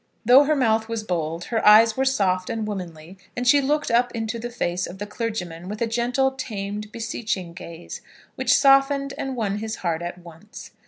Though her mouth was bold, her eyes were soft and womanly, and she looked up into the face of the clergyman with a gentle, tamed, beseeching gaze, which softened and won his heart at once.